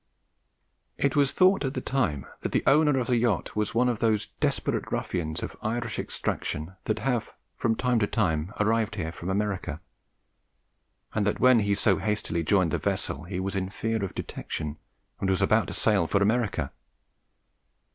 "It was thought at the time that the owner of the yacht was one of those desperate ruffians of Irish extraction that have from time to time arrived here from America, and that when he so hastily joined the vessel he was in fear of detection and was about to sail for America.